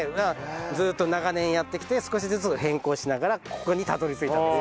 ずっと長年やってきて少しずつ変更しながらここにたどり着いたんです。